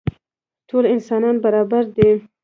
ټول انسانان برابر دي.